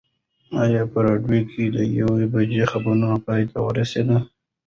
ایا په راډیو کې د یوې بجې خبرونه پای ته ورسېدل؟